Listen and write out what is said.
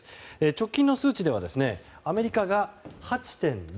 直近の数値ではアメリカが８．６％。